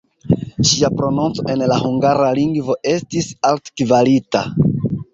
Ŝia prononco en la hungara lingvo estis altkvalita.